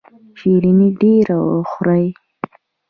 شیریني ډیره خورئ؟